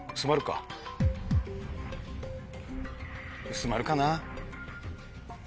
薄まるかな？